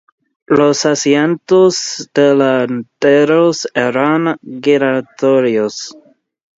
Los asientos delanteros eran giratorios.